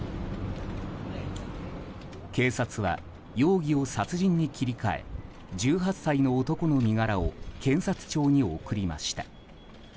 警察は容疑を殺人に切り替え１８歳の男の身柄を検察庁に送りました。